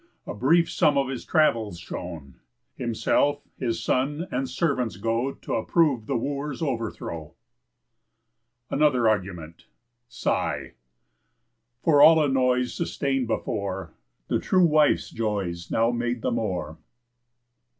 A brief sum of his travels shown. Himself, his son, and servants go T' approve the Wooers' overthrow. ANOTHER ARGUMENT Ψι̑. For all annoys Sustain'd before, The true wife's joys Now made the more.